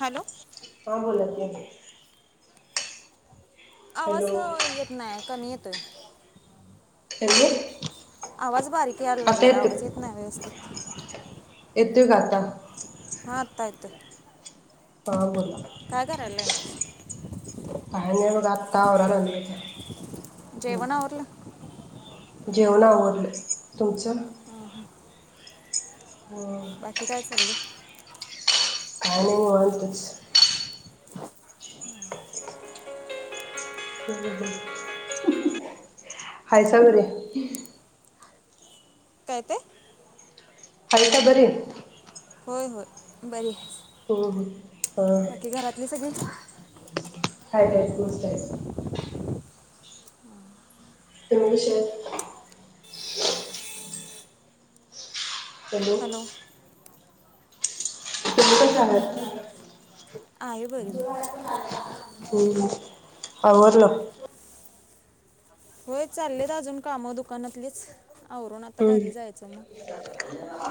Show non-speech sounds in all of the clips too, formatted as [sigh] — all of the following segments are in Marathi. हॅलो काय बोलायचये? हॅलो आवाज येत नाही, कमी येतोय. हॅलो आवाज बारीक यायला आता लागलाय, येतो आवाज येत नाही व्यवस्थित. [unintelligible] हां आत्ता येतोय. हा काय करायला बोला [unintelligible] तावरा [unintelligible] जेवण आवरलं? जेवण आवरलं, तुमचं? हं बाकी काय चाललय? काही नाही [unintelligible] ह ह हायसमर काय ते? हालट बरं होय होय बरीये हो हो अ सगळी हय [unintelligible] त्या [unintelligible] शर हॅलो [unintelligible] आहे बरी बघ जेव्हा [unintelligible] हं हं आवरलं होय चाललेत अजून काम दुकानातलीच. आवरून आता घरी हं जायचं मग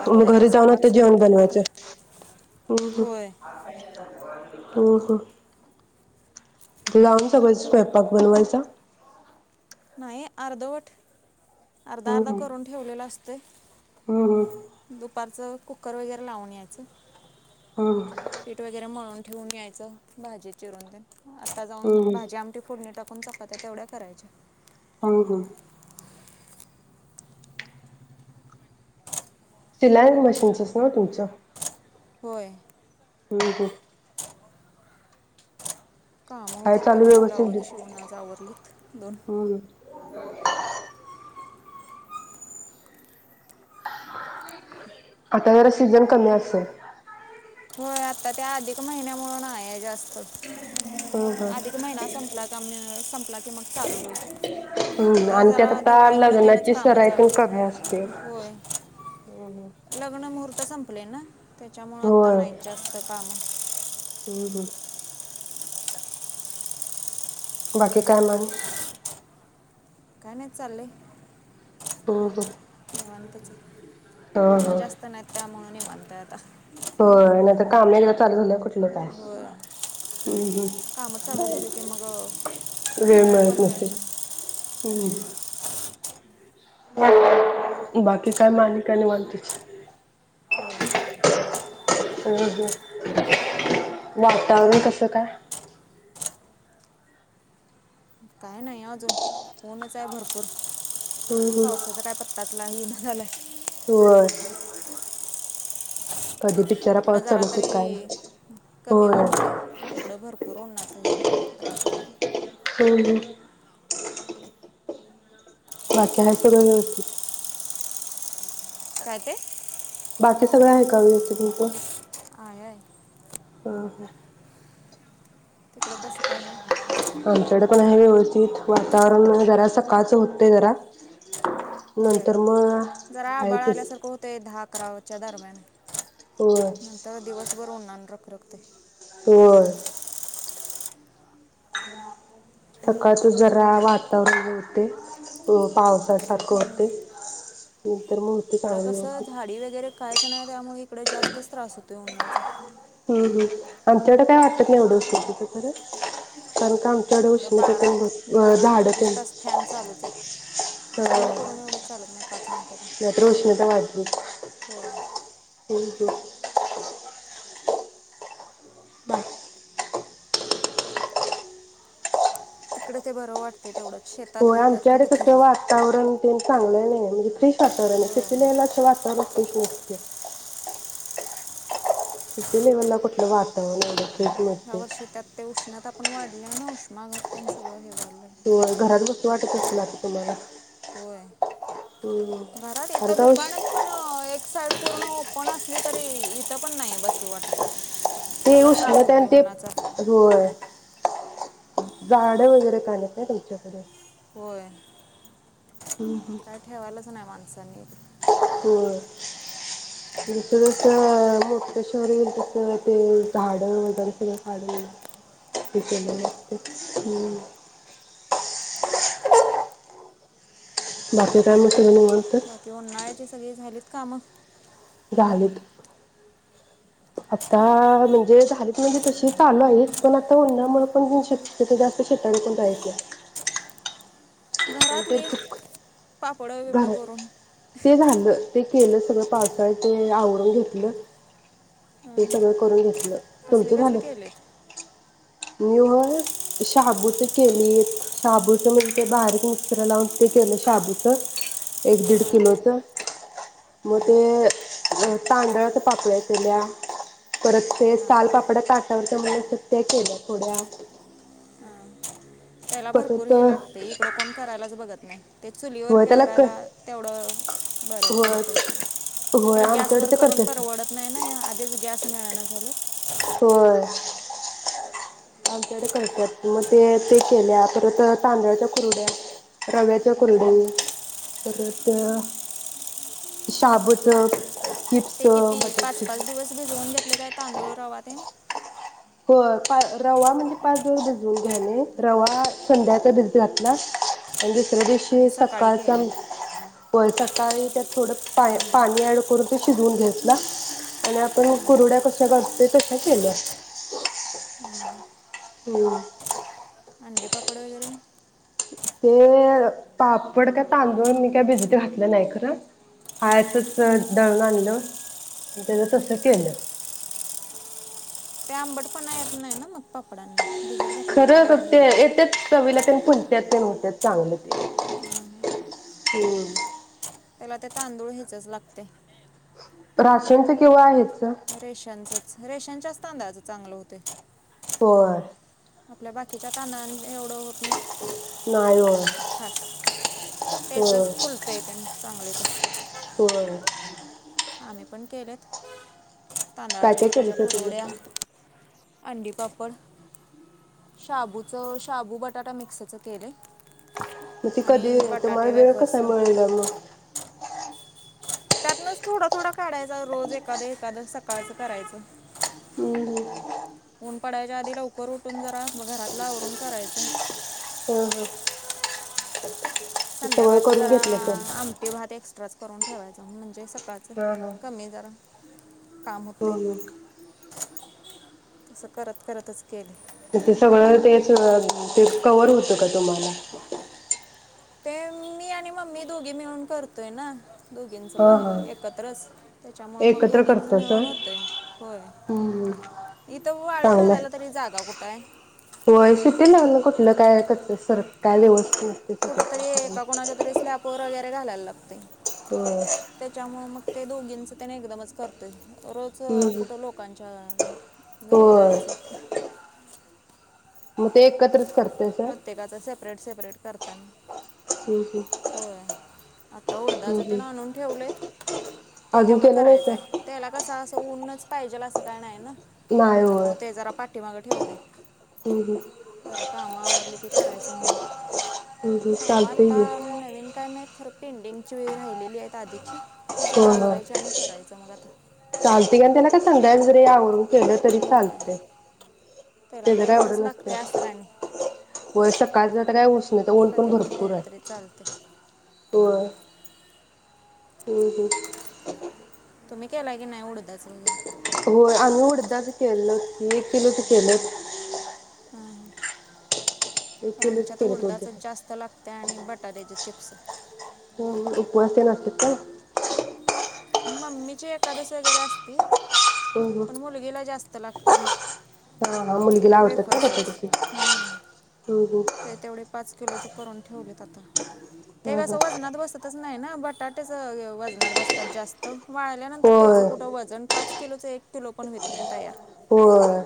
आठ मग वाजले घरी सव्वा जाऊन आठ तर जेवण साडेआठपर्यंत बनवायचं. हुं होय लॉन्ग सगळच स्वयंपाक बनवायचा? नाही अर्धवट अर्धा अर्धा करून ठेवलेला असत ते, दुपारचं कुकर वगैरे लावून यायचं. शिलाई पीठ वगैरे मळून ठेवून यायचं भाजी चिरून तेन, आता जाऊन भाजी आमटी फोडणी टाकून चपात्या तेवढ्या करायच्या. अं हं सिलाई मशीन्सच ना तुमच्या? होय हम्-हम् कामं काय होतीत चालू तेवढी ब्लाऊजं व्यवस्थित शिवून आज आवरलीत दोन. हम्म [inaudible] आता जरा सीझन कमी असल? होय आता त्या अधिक महिन्या मुळे नाही जास्त, अधिक महिना संपला का मग संपला की मग चालू होईल. हम्म आता आणि त्यात जरा आता दिवाळीकडं तेनच लग्नाची कामं सराई चालू, पण कमी असते. होय लग्न महूर्त ता संपलंय ना? त्याच्यामुळं आत्ता होय, नाहीत जास्त कामं हम्-हम् बाकी काय मंग? काय नाई चाललंय. हा निवांतचंय, हा काम जास्त नाहीत त्यामूळं निवांत ता आता होय नाही तर कामं या चालू झाल्यावर कुच लं काय होय हं कामं चालू हं झाली की मग अ, वेळ मिळत नसेल हम् बाकी काय मग आणि काय निवांतच. [unintelligible] अं हम् वातावरण कसं काय? काय नय आजून, ऊनच आहे भरपूर. हम्म पावसाचा काय पत्ताच [unintelligible] व्हय. तिकड जरा तरी कमी होय. वाटतंय, इकडं भरपूर उनाच हे होतय त्रास होतय. हम्म, हम्म. बाकी हाय सगळ व्यवस्थित? काय ते? बाकी सगळं हाय का व्यवस्थित मनते. आयाय. हो-हो. तिकडं कसं काय हाय? आमच्याकडे पण हाय व्यवस्थित वातावरण जरा सकाळचं होतंय जरा. होय, नंतर मग जरा आहे आभाळ तस आल्यासारखं होतय धाक [unintelligible] वच्या दरम्यान होय नंतर दिवस दिवस भर उन्नान रख रखतंय. वय. सकाळच जरा वातावरण होतय, अ पावसासारखं होतय. इकड कसं झाडी वगैरे कायच नाही, त्यामुळे. इकडे जास्तच त्रास होतोय उन्हानाचा. हम्म हम्म, आमच्याकडे काय वाटत नाही एवढं खर कार का आम इकडं बारा बारा आणि चोवीस पण तास फॅन चालूच आहेत, बंद करून एवढं चालत नाही पाच मिनटं पण नाहीतर उष्णता वाढली होय. [inaudible] बा. तिकडे ते बरं वाटतय तेवढच. होय आमच्याकडे कस वातावरण ते चांगलय. नई हाय म्हणजे फिश वातावरण होय आहे [unintelligible] लेला असं वातावरण कश नते [unintelligible] सुिट्टी लेव्हलला कुठलं वातावरण वगैरे ह्या वर्षी त्यात ते उष्णता पण वाढले ना उष्मा घग ते सगळं हे वाय होय, घरात बसू वाटत [unintelligible] राजकुमारी. होय, घरात इथ कारण का उष दुकानात पण एक साईड पूर्ण पण असले तरी इथ पण नाही बसू वाटत. ते एवढा त्रास उष्णतेन होतोय ते उन्हाचा होय झाडं वगैरे काय नाही आहेत तुमच्याकडे होय कायठेवालाच नाही माझं सनीद हो जस, जस मोठ शहर येईल तस ते झाड वगैरे सगळं पाडून ही होय केलेलं असतय हम बाकी काय म बाकी उन्हाळ्याची सगळी झाली काम झालीत आता म्हणजे झाली तर म्हणजे तशी चालू आहे पण आता उन्हामुळे पण ऊन शक्य जास्त शक्यतो शेता बीताला जात नाही नंतर घरातली चुक पापड, बिपड घर करून ते झालं ते केलं सगळं पावसाळ्याचे आवरडून घेतलं ते सगळं करून घेतलं कसले तुमचं कसले झालं? केलेत मी व शाबूच केली शाबूच म्हणजे बारीक मिक्सर लावून ते केलं शाबूच एक दीड हं, किलोच मग हं, ते तांदळाच्या पापड्या केल्या परत ते हं. सालपापड्या ताटावरच्यामुळे त्या केल्या थोड्या त्याला भरपूर परत हे लागतय इकडं कोण करायलाच बघत नाही ते चुलीवर होय त्याला क करायला तेवढं बर होय पडतय होय तीकड आमच्याकडे गॅसवर ते करून करतात परवडत नाय ना या आधीच गॅस [inaudible] होय आमच्याकडे करत्यात म ते ते केल्या परत तांदळाच्या कुरड्या रव्याच्या कुरड्या परत शाबूच चिप्स ते किती बटर पाच, पाच चिप्स दिवस भीजवून घेतले काय तांदूळ रवा तेन हो पा रवा म्हणजे पाच जन भिजवून घ्याणे रवा संध्याचा भिज घातला दुसऱ्या दिवशी आणि सकाळी सकाळचा केलं व्हय सकाळचा तारीख त्यात थोड पाय पाणी ऍड करून ते शिजवून घेतला आणि आपण व कुरवड्या कशा करतेय तश्या केल्या हम अंडी पापड वगैरे ते पापड काय तांदूळ मी काय भिजत घातलं नाय खर आसच दळून आणलं त्याज तस केलं ते आंबटपणा येत नाय ना मग पापडांना भिजत घातलं की खरंच जरा हे ते होतात येत्यात चवीला तेन फुल त्यात होत्याच चांगलं ते ह त्याला ते तांदूळ भीजच लागतेय. राशनच किंवा हेच रेशनचच रेशनच्याच तांदळाचं चांगलं होतय. बरं. आपल्या बाकीच्या तांदळाने एवढं होत नाही होय [unintelligible] [unintelligible] व्हय. आम्ही पण केल्यात. काय काय केलेत? अंडी पापड शाबूचं शाबू बटाटा मिक्सच केलय. मग ते कधी तुम्हाला वेळ कसा मिळणार मग? त्यातनच थोडा थोडा काढायचा रोज एखादं एखादं सकाळचं करायचं. हम्म ऊन पडायच्या आधी लवकर उठून जरा घरातला आवरून करायचं. हा हा ते सगळं संध्याकाळच करून जरा घेतलं तर आमटी भात एक्स्ट्राच करून ठेवायचं म्हणजे सकाळी हा हा सकाळचं कमी जरा काम हो होते. हो तसं करत करतच केले. ते सगळं तेच ते कव्हर होतं का तुम्हाला? ते मी आणि मम्मी दोघी मिळून करतोय ना. दोघींच हा पण हा एकत्रच त्याच्यामुळ मग एकत्र दोघींच करतस मिळून होतंय होय हम्म इथं वाळत चांगलं घालायला तरी जागा कुठ आहे? आपलं काय सरळ काय व्यवस्थित नाही. कुठ तरी एका कोणाच्या तरी स्लॅपवर वगैरे घालायला लागते. होय त्याच्यामुळ मग ते दोघींच त्याने एकदमच करतय रोज हम्म कुठं लोकांच्या घरी होय जायचं. मग ते एकत्रच करते. सर प्रत्येकाच सेपरेट सेपरेट करत हम्म हम्म [unintelligible] होय आता उडदाच हम्म हम्म. त्यान आणून ठेवलंय ते अजून तेवढं केलं नाही करायचंय सर त्याला कस असं ऊनच पाहिजेल असं काय नाही ना? त्याच्यामुळे ते जरा पाठीमाग ठेवलेय. हं हं काम आवरले की करायचं म्हणून हम्म हम्म. काम चालतंय आता की नवीन काय नाहीत खर. पेंडिंगची राहिलेली आहेत आधीची. ती जरा होय होय आवरायची आणि करायचं मग आता. चालतंय आणि [unintelligible] जरी हे आवरून केलं तरी होय चालतेय त्याला ते काय जरा एवढ ऊनच लागते नसतय असं काय नाही होय सकाळच तर उष्णता काय ऊन पण कधी भरपूर केलं आहे तरी चालते होय. हम्म हम्म तुम्ही केला की नाही उडदाच वगैरे होय आम्ही उडदाच केलं एक किलोच केलंय. हां एक हा किलोचं आमच्यात केलं उडदाच उडदाचं जास्त लागतय आणि बटाट्याच चिप्स ह उपवासला लागतेत काय? मम्मीची एकादस वगैरे असती. हम्म हम्म पण मुलगीला जास्त लागतय हां हां मुलगीला आवडतात का वेफर्सच बटाट्याचे हम्म हम्म हम्म ते तेवढे पाच किलोचे करून ठेवलेत आता. ते हां हां कसं वजनात बसतच नाही ना बटाटेच वजनात बसतेत आता जास्त वाळल्यानंतर त्याच होय कुठं वजन पाच किलोच एक किलो पण होेत नाही तयार. होय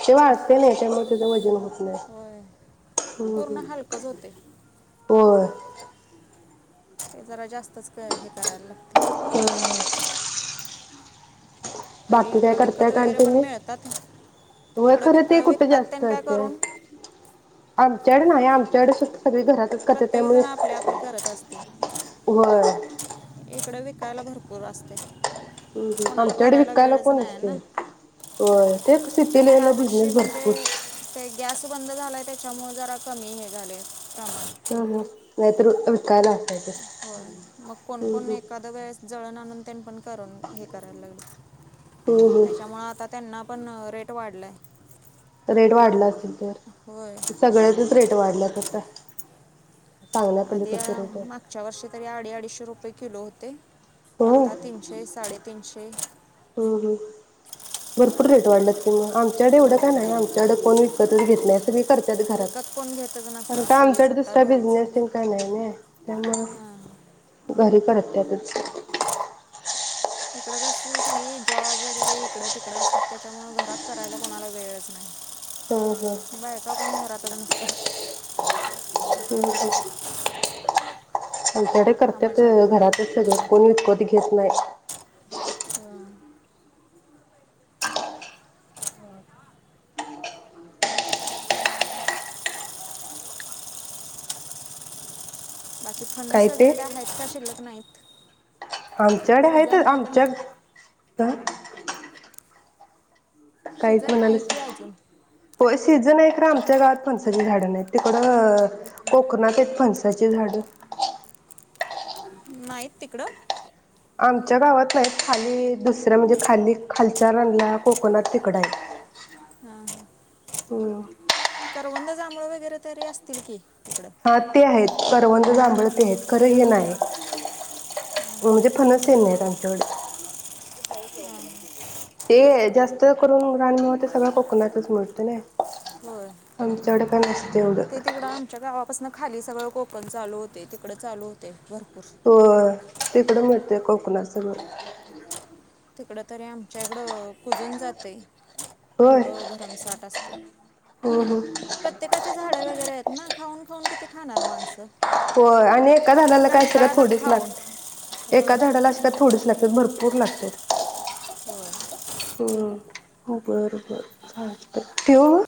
ते वाळतय नाही त्यामुळे त्याचं वजन होत ह्ं होय पूर्ण हुं हलकंच होते होय ते जरा जास्तच हे करायला लागते. तरी बाकी काय इकडं विकत करताय वगैरे पण तुम्ही मिळतात व्हय तिकडं खरं विक ते कुठे विकतात जास्त त्यांनी काय करून असत आमच्याकडे नाही आम त्या [unintelligible] प्रत्येक जण आपली आपली करत असते होय. इकडे वीक कायला भरपूर आसत्यात. ह्ं हुं आमच्याकडे विकायला कोण नसते ना व्हय तेच तरी ह्या सिटीनेला वर्षी बिझनेस म्हणजे भरपूर ते गॅस बंद झाला आहे त्याच्यामुळं जरा कमी हे झाले कामा हं हं नाहीतर विकाला होय मग कोणकोण एखाद्या वेळेस जळण आणून त पण हे करायला हम्म लागलेत हम्म त्याच्यामुळे आता त्यांना पण रेट वाढलाय. तर रेट वाढलाच. होय [unintelligible] सगळ्याचच रेट वाढल्यात आंता. आ [unintelligible] रेट आहेत. मागच्या वर्षी तरी अडी अडीशे रुपये किलो होते. होय आता तीनशे-साडेतीनशे हम्म हम्म भरपूर रेट वाढल्यात किं [unintelligible] आमच्याकडे एवढं होय काय नाही, आमच्याकडे कोण विकतच घेत नाही. सगळे करत्यात घरात, विकत कोण घेतच कारण नसणार का सगळी आमच्याकडे स्वतः दुसरा घरीच बिजनेस काय नाहीना, हां त्यामुळ घरी करत त्यात. [inaudible] तिकडं कस सगळी जॉब वगैरे इकडं तिकडं असतात त्याच्यामुळ घरात करायला कोणाला वेळच ह ह नाही. बायका कोण घ रा [inaudible] आमच्याकडे करत्यात घरातच सगळं कोण विकत [unintelligible] नाही. अं, बाकी फन्नस वगैरे काय आहेत का शिल्लक नाहीत. आमच्याकडे आहेत. सीझन आहे का आमच्या नाही आ काहीच शिजन आहे म्हणालीस की अजून. होय सीझन आहे खरं, आमच्या गावात फणसाची झाडं नाही, तिकडं कोकनात आहेत फणसाची झाड. नाहीत तिकडं. आमच्या गावात नाही खाली दुसरं म्हणजे, खाली खालच्या रनल्या कोकणात तिकड आहे. हा हा. हम्म. जांभळ वगैरे तरी असतील की. तिकडं हा ते आहेत करव जांभळते आहेत खरं हे नाही म्हणजे, फणस तेन नाही आमच्याकडे. ते जास्त तं करून रणमेवा ते सगळं कोकणातच मिळतं नाही. होय. चडकण असते. ते तिकडं आमच्या गावापासन खाली सगळं कोकण चालू होते. तिकडें चालू होते [unintelligible] हो. तिकडं मिळतेय कोकणा सगळं. तिकड तरी आमच्या इकडं कुजून जाते. होय एवढं गरम साठ असते हो प्रत्येकाचे झाडे वगैरे आहेत ना खाऊन [unintelligible] किती खाणार मासं. होय आणि एका झाडाला काय असं का थोडीच लाग, खाऊन एका होय झाडाला अशी काय थोडीच लागत्यात भरपू पूर लागत्यात. होय. बर बर चालतय ठेवू म